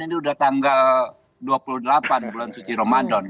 ini udah tanggal dua puluh delapan bulan suci ramadan